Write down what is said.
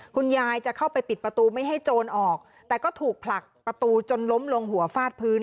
คุณยายจะเข้าไปปิดประตูไม่ให้โจรออกแต่ก็ถูกผลักประตูจนล้มลงหัวฟาดพื้น